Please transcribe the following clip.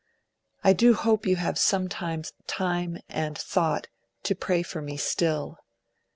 'I do hope you have some time and thought to pray for me still.